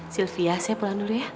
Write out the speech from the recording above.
sylvia saya pulang dulu ya